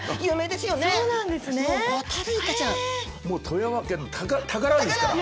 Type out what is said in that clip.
もう富山県の宝ですから。